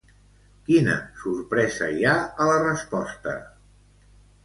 Quina sorpresa hi ha a la resposta?